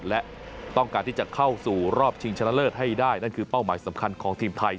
และต้องการที่จะเข้าสู่รอบชิงชนะเลิศให้ได้นั่นคือเป้าหมายสำคัญของทีมไทย